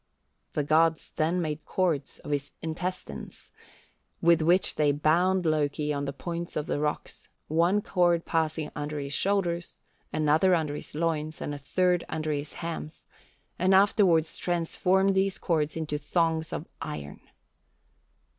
The gods then made cords of his intestines, with which they bound Loki on the points of the rocks, one cord passing under his shoulders, another under his loins, and a third under his hams, and afterwards transformed these cords into thongs of iron.